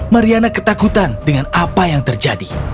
mariana ketakutan dengan apa yang terjadi